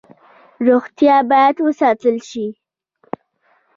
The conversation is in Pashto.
روغتیا باید وساتل شي